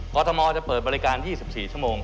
กรทมจะเปิดบริการ๒๔ชั่วโมง